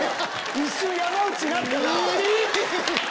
一瞬山内なったなぁ。